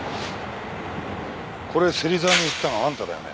これ芹沢に売ったのあんただよね？